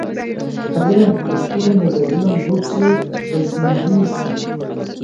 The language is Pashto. که علم په پښتو وي، نو د علم غوڅۍ به زندې سي.